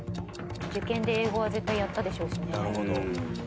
受験で英語は絶対やったでしょうしね。